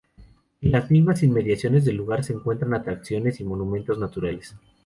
En las inmediaciones del lugar se encuentran atracciones y monumentos naturales.